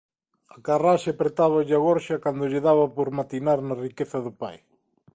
A carraxe apertáballe a gorxa cando lle daba por matinar na riqueza do pai;